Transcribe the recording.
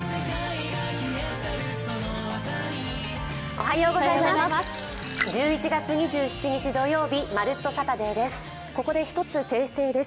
おはようございます！